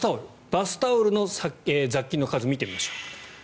バスタオルの雑菌の数を見てみましょう。